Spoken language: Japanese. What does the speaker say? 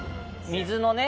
水のね。